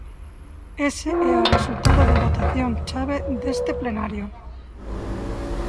Ese é o resultado da votación chave deste plenario.